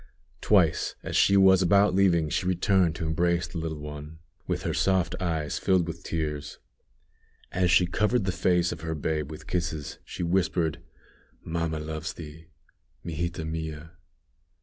Twice, as she was about leaving, she returned to embrace the little one, with her soft eyes filled with tears. As she covered the face of her babe with kisses, she whispered, "Mamma loves thee. _Mijita mia.